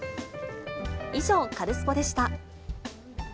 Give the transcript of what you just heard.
以上、カルスポっ！でした。